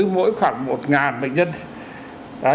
mỗi khoảng một bệnh nhân